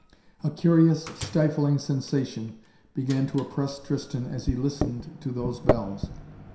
A curious, stifling sensation began to oppress Tristan as he listened to those bells.